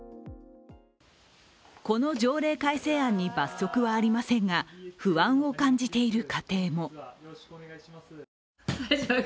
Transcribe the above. この条例改正案に罰則はありませんが、不安を感じている家庭も。